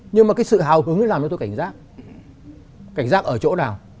nhưng mà cái sự hào hứng làm cho tôi cảnh giác cảnh giác ở chỗ nào